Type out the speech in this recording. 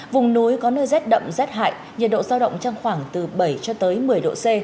vùng núi có nơi rét đậm rét hại nhiệt độ giao động trong khoảng từ bảy cho tới một mươi độ c